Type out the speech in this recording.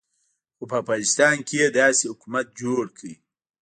خو په افغانستان کې یې داسې حکومت جوړ کړ.